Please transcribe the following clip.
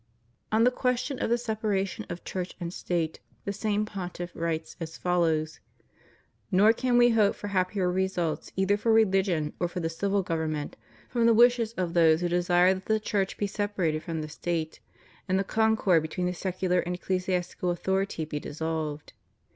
On the question of the separation of Church and State the same Pontiff writes as follows: "Nor can We hope for happier results either for rehgion or for the civil government from the wishes of those who desire that the Church be separated from the State, and the concord between the secular and ecclesiastical authority be dissolved.